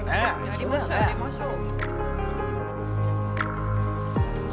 やりましょうやりましょう。